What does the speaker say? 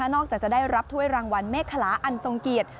จะได้รับถ้วยรางวัลเมฆคลาอันทรงเกียรติ